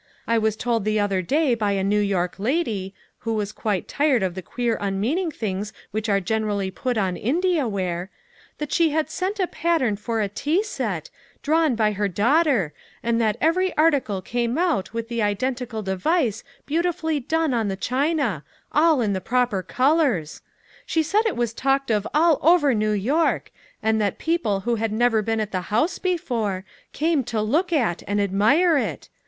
I was told the other day by a New York lady (who was quite tired of the queer unmeaning things which are generally put on India ware), that she had sent a pattern for a tea set, drawn by her daughter, and that every article came out with the identical device beautifully done on the china, all in the proper colors. She said it was talked of all over New York, and that people who had never been at the house before, came to look at and admire it.